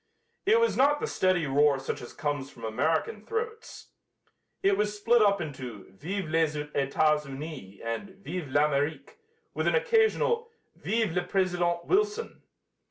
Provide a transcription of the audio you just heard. It was not the steady roar such as comes from American throats. It was split up into "Vive les Etats Unis!" and "Vive l'Amérique!" with an occasional "Vive le President Wilson!"